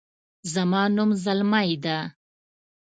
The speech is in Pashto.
زما نوم زلمۍ ده